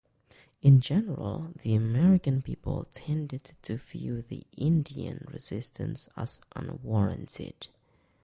In general the American people tended to view the Indian resistance as unwarranted.